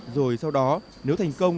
rồi sau đó nếu thành công